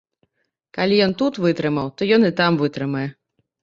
Калі ён тут вытрымаў, то ён і там вытрымае.